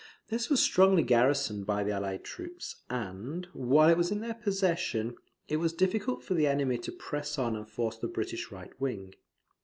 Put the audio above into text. This was strongly garrisoned by the allied troops; and, while it was in their possession, it was difficult for the enemy to press on and force the British right wing.